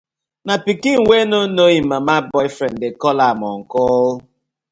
Na pikin wey no know im mama boyfriend dey call am uncle.